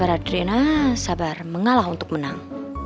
sabar adrena sabar mengalah untuk menang